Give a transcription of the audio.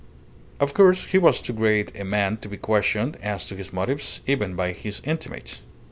Of course, he was too great a man to be questioned as to his motives, even by his intimates.